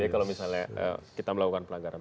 kalau misalnya kita melakukan pelanggaran